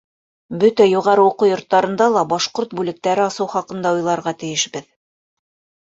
Бөтә юғары уҡыу йорттарында ла башҡорт бүлектәре асыу хаҡында уйларға тейешбеҙ.